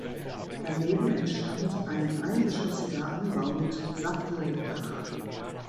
Daneben entstand ein eingeschossiger Anbau mit Satteldach.